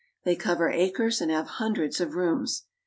They cover acres and have hundreds of rooms.